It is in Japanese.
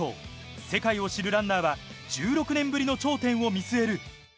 世界を知るランナーは１６年ぶりの頂点を見据える。